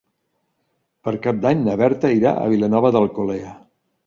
Per Cap d'Any na Berta irà a Vilanova d'Alcolea.